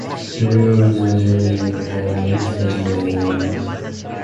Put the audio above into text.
The video was directed by Hannah Lux Davis with creative direction from Kate Moross.